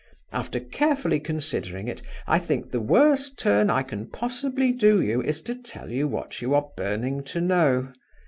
After carefully considering it, I think the worst turn I can possibly do you is to tell you what you are burning to know.